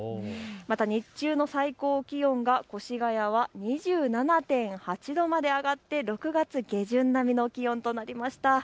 また日中の最高気温が越谷は２７．８度まで上がって６月下旬並みの気温となりました。